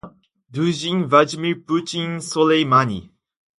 Dugin, Vladimir Putin, Soleimani